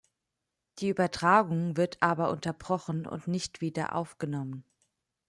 Die Übertragung wird aber unterbrochen und nicht wieder aufgenommen.